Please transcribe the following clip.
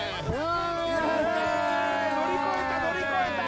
乗り越えた！